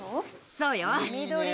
そうよ。